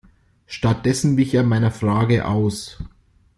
Stattdessen wich er meiner Frage aus.